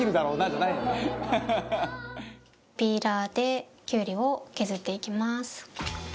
ピーラーでキュウリを削っていきます。